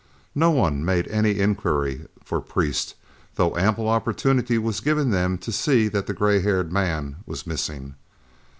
No one made any inquiry for Priest, though ample opportunity was given them to see that the gray haired man was missing.